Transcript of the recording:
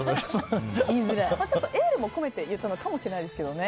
ちょっとエールも込めて言ったのかもしれないですけどね。